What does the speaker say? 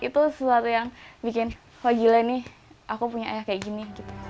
itu sesuatu yang bikin wah gila nih aku punya ayah kayak gini